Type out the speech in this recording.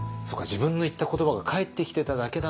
自分の言った言葉が返ってきてただけなのに。